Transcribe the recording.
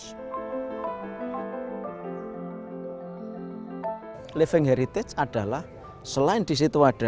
keraton surakarta pun dipertahankan dan dijunjung sebagai living heritage